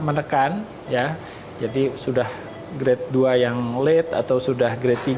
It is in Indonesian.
menekan ya jadi sudah grade dua yang late atau sudah grade tiga